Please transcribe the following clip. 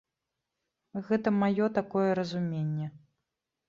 Гэта маё такое разуменне.